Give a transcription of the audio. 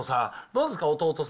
どうですか？